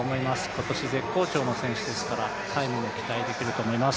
今年絶好調の選手ですから、タイムも期待できると思います。